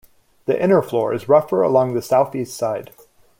The inner floor is rougher along the southeast side.